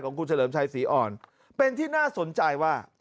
เฉลิมชัยศรีอ่อนเป็นที่น่าสนใจว่า